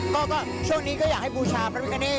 ก็ช่วงนี้ก็อยากให้บูชาพระพิกาเนต